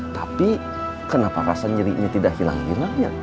tapi kenapa rasa nyerinya tidak hilang hilangnya